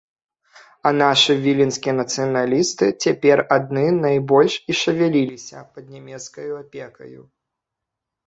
А нашы віленскія нацыяналісты цяпер адны найбольш і шавяліліся пад нямецкаю апекаю.